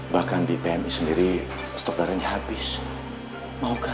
bahkan bpmi sendiri stok darahnya habis mau kan